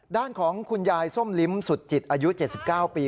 ด้านของคุณยายส้มลิ้มสุดจิตอายุ๗๙ปี